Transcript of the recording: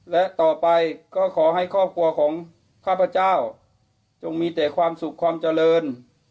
และต่อไปก็ขอให้ครอบครัวของข้าพเจ้าจงมีแต่ความสุขความเจริญ